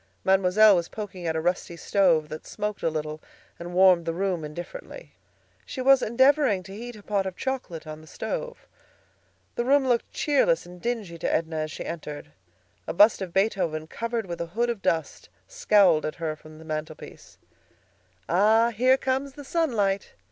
Mademoiselle was poking at a rusty stove that smoked a little and warmed the room indifferently. She was endeavoring to heat a pot of chocolate on the stove. The room looked cheerless and dingy to Edna as she entered. A bust of Beethoven, covered with a hood of dust, scowled at her from the mantelpiece. "Ah! here comes the sunlight!"